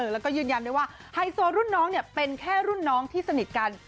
แล้วก็ยืนยันด้วยว่าไฮโซรุ่นน้องเป็นแค่รุ่นน้องที่สนิทกัน